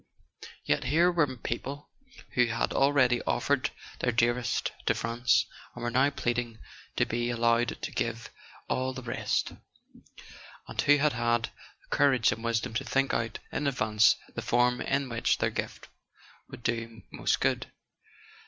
Yet here were people who had already offered their dearest to France, and were now pleading to be al¬ lowed to give all the rest; and who had had the cour¬ age and wisdom to think out in advance the form in which their gift would do most good.